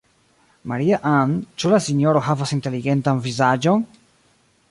Maria-Ann, ĉu la sinjoro havas inteligentan vizaĝon?